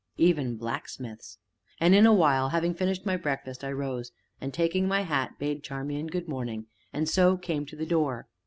"Even blacksmiths!" And in a while, having finished my breakfast, I rose, and, taking my hat, bade Charmian "Good morning," and so came to the door.